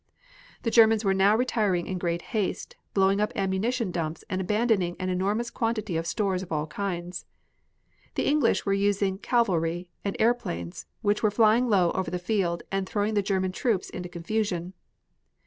The Germans were now retiring in great haste, blowing up ammunition dumps and abandoning an enormous quantity of stores of all kinds. The English were using cavalry and airplanes, which were flying low over the field and throwing the German troops into confusion.